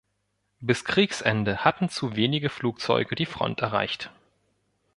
Bis Kriegsende hatten zu wenige Flugzeuge die Front erreicht.